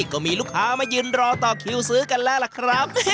ก็มีลูกค้ามายืนรอต่อคิวซื้อกันแล้วล่ะครับ